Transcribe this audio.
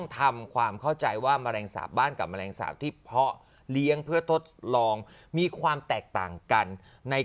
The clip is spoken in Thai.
ทำไมคุณยายทำไม